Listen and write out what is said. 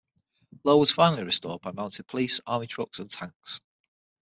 Law was finally restored by mounted police, army trucks, and tanks.